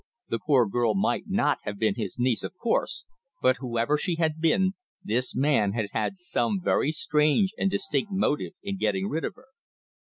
The poor girl might not have been his niece, of course, but whoever she had been, this man had had some very strange and distinct motive in getting rid of her.